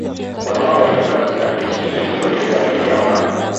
Waroma waliokaa katika nchi nyingi walileta miungu yao na